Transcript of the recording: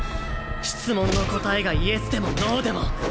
質問の答えがイエスでもノーでも。